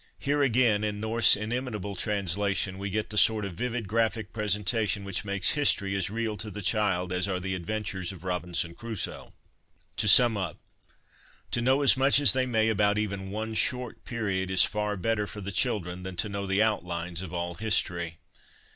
'" Here, again, in North's inimitable translation, we get the sort of vivid graphic presentation which makes ' History ' as real to the child as are the adventures of Robinson Crusoe. To sum up, to know as much as they may about even one short period, is far better for the children than to know the ' outlines ' of all history.